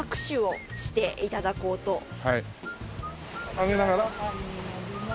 あげながら？